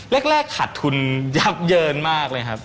แรกขาดทุนยับเยินมากเลยครับ